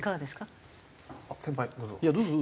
先輩どうぞ。